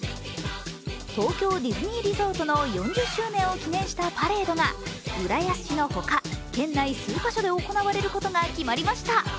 東京ディズニーリゾートの４０周年を記念したパレードが浦安市のほか県内数か所で行われることが決まりました。